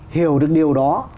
hiểu được điều đó